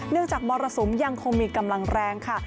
จากมรสุมยังคงมีกำลังแรงค่ะ